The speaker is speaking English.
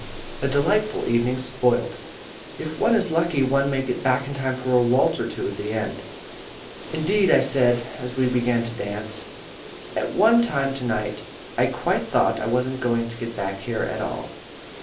A delightful evening spoilt. If one is lucky one may get back in time for a waltz or two at the end. "Indeed," I said, as we began to dance, "at one time to night I quite thought I wasn't going to get back here at all."